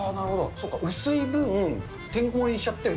そうか、薄い分、てんこ盛りしちゃっても。